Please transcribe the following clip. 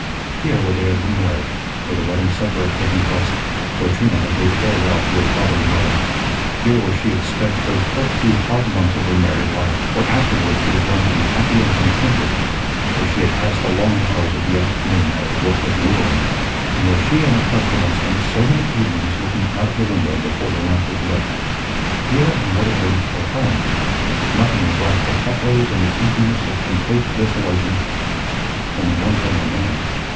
Here where they had been married, where the wedding supper had taken place, where Trina had bade farewell to her father and mother, here where she had spent those first few hard months of her married life, where afterward she had grown to be happy and contented, where she had passed the long hours of the afternoon at her work of whittling, and where she and her husband had spent so many evenings looking out of the window before the lamp was lit here in what had been her home, nothing was left but echoes and the emptiness of complete desolation. Only one thing remained.